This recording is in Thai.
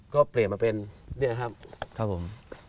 ก็เปลี่ยนมาเป็นเนี่ยครับครับผม